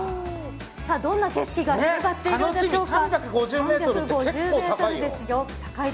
どんな景色が広がっているんでしょうか？